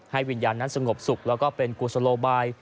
วิญญาณนั้นสงบสุขแล้วก็เป็นกุศโลบาย